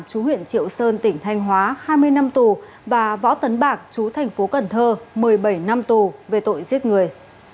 chú huyện triệu sơn tỉnh thanh hóa hai mươi năm tù và võ tấn bạc chú thành phố cần thơ một mươi bảy năm tù về tội giết người